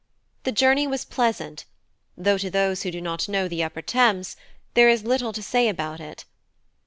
The journey was pleasant, though to those who do not know the upper Thames, there is little to say about it.